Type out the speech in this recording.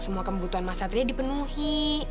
semua kebutuhan mas satria dipenuhi